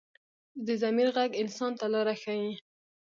د ضمیر غږ انسان ته لاره ښيي